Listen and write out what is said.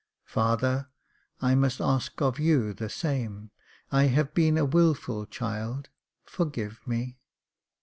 " Father, I must ask of you the same — I have been a wilful child, — forgive me